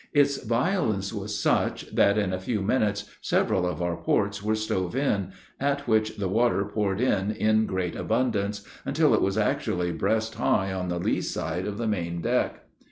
Its violence was such, that in a few minutes several of our ports were stove in, at which the water poured in in great abundance, until it was actually breast high on the lee side of the main deck.